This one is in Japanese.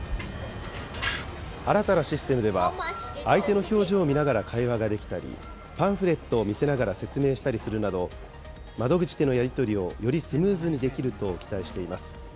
新たなシステムでは、相手の表情を見ながら会話ができたり、パンフレットを見せながら説明したりするなど、窓口でのやり取りをよりスムーズにできると期待しています。